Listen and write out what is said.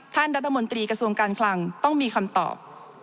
ท่านรัฐมนตรีกระทรวงการคลังต้องมีคำตอบ